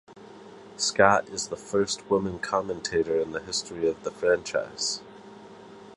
Scott is the first woman commentator in the history of the franchise.